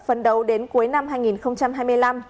phấn đấu đến cuối năm hai nghìn hai mươi năm